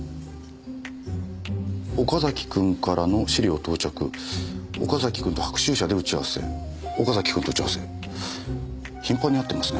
「岡崎君からの資料到着」「岡崎君と白秋社で打ち合わせ」「岡崎君と打ち合わせ」頻繁に会ってますね